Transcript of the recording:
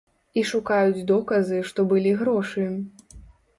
І шукаюць доказы, што былі грошы.